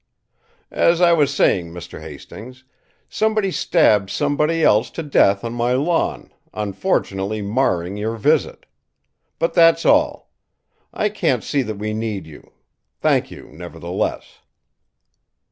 as I was saying, Mr. Hastings, somebody stabbed somebody else to death on my lawn, unfortunately marring your visit. But that's all. I can't see that we need you thank you, nevertheless."